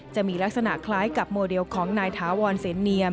จะมีลักษณะคล้ายกับโมเดลของนายถาวรเสนเนียม